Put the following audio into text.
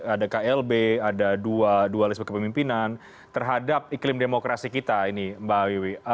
ada klb ada dualisme kepemimpinan terhadap iklim demokrasi kita ini mbak wiwi